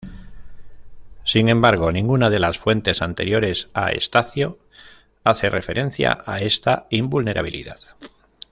Sin embargo, ninguna de las fuentes anteriores a Estacio hace referencia a esta invulnerabilidad.